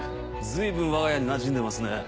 随分わが家になじんでますね。